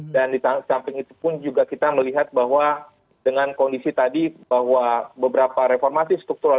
dan di samping itu pun juga kita melihat bahwa dengan kondisi tadi bahwa beberapa reformasi struktural